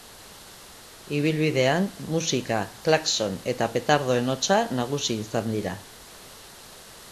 Ibilbidean, musika, klaxon eta petardoen hotsa nagusi izan da.